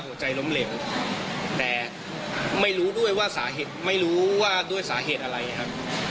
หัวใจล้มเหลวแต่ไม่รู้ด้วยว่าสาเหตุไม่รู้ว่าด้วยสาเหตุอะไรครับ